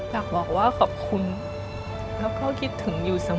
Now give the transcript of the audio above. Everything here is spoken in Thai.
อยากบอกว่าขอบคุณแล้วก็คิดถึงอยู่เสมอ